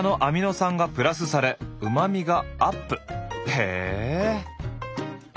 へえ！